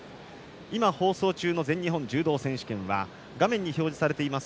今、放送中の全日本柔道選手権は画面に表示されています